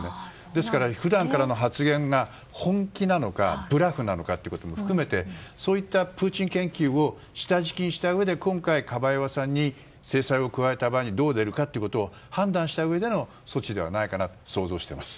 ですから普段からの発言が本気なのかブラフなのかを含めたプーチン研究を下敷きにしたうえで今回カバエワさんについて制裁を加えた場合にどう出るかを判断したうえでの措置ではないかと想像しています。